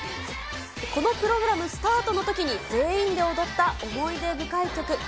このプログラムスタートのときに、全員で踊った思い出深い曲。